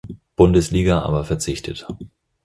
Bundesliga aber verzichtet.